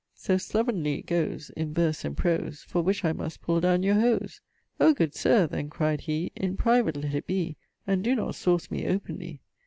So slovenly it goes, In verse and prose, For which I must pull down your hose.' 'O good sir!' then cry'd he, 'In private let it be, And doe not sawce me openly.'